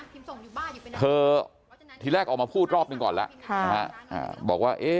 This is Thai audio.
พิมพ์ส่งบ้านเลยเธอทีแรกออกมาพูดรอบนึงก่อนแล้วบอกว่า